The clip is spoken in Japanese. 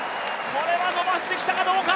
これは伸ばしてきたかどうか！